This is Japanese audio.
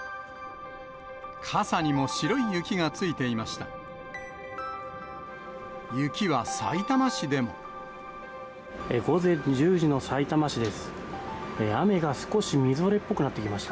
傘にも白い雪がついていました。